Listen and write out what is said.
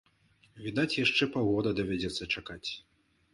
Відаць, яшчэ паўгода давядзецца чакаць.